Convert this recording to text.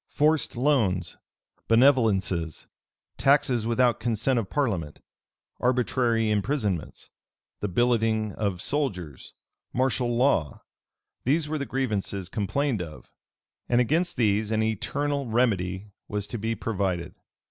Forced loans, benevolences, taxes without consent of parliament, arbitrary imprisonments, the billeting of soldiers, martial law; these were the grievances complained of, and against these an eternal remedy was to be provided.